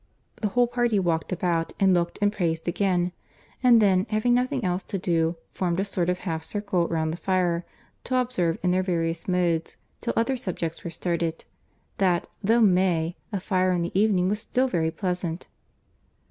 The whole party walked about, and looked, and praised again; and then, having nothing else to do, formed a sort of half circle round the fire, to observe in their various modes, till other subjects were started, that, though May, a fire in the evening was still very pleasant.